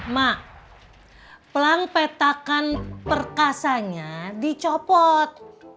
mak pelang petakan perkasanya dicopot